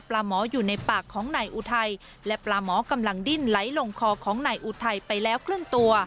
หมออยู่ในปากของนายอุทัยและปลาหมอกำลังดิ้นไหลลงคอของนายอุทัยไปแล้วครึ่งตัว